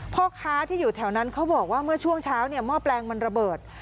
พ่อค้าที่อยู่แถวนั้นเขาบอกว่าเมื่อช่วงเช้าเนี่ยหม้อแปลงมันระเบิด